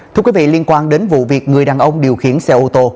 thưa quý vị liên quan đến vụ việc người đàn ông điều khiển xe ô tô